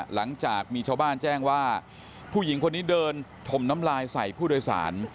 หลังจากมีชาวบ้านแจ้งว่าผู้หญิงคนนี้เดินถมน้ำลายใส่ผู้โดยสาร